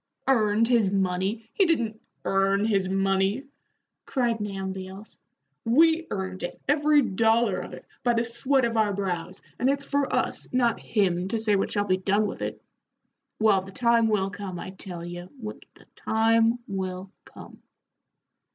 "Earned his money? He didn't earn his money," cried Nahum Beals. "We earned it, every dollar of it, by the sweat of our brows, and it's for us, not him, to say what shall be done with it. Well, the time will come, I tell ye, the time will come."